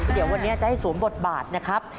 เดี๋ยววันนี้จะให้สวมบทบาทนะครับ